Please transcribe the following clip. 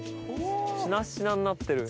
しなっしなになってる。